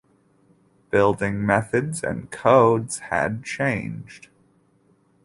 Building methods and codes had changed.